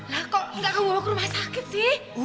lah kok gak mau ke rumah sakit sih